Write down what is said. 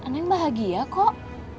neng bahagia kok